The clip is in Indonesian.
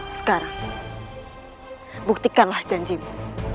sekarang buktikanlah janjimu